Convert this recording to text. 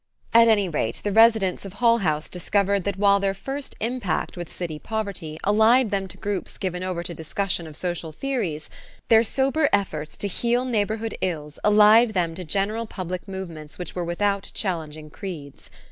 At any rate the residents of Hull House discovered that while their first impact with city poverty allied them to groups given over to discussion of social theories , their sober efforts to heal neighborhood ills allied them to general public movements which were without challenging creeds.